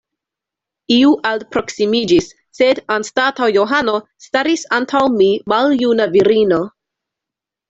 Iu alproksimiĝis, sed anstataŭ Johano staris antaŭ mi maljuna virino.